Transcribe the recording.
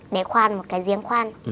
để khoan một cái giếng khoan